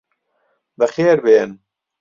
بەخێربێن.